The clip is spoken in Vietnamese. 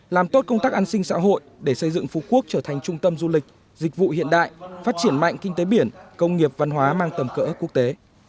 làm tốt công tác an sinh xã hội để xây dựng phú quốc trở thành trung tâm du lịch dịch vụ hiện đại phát triển mạnh kinh tế biển công nghiệp văn hóa mang tầm cỡ quốc tế